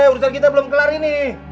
urusan kita belum kelar ini